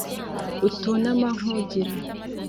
utunama nkugira!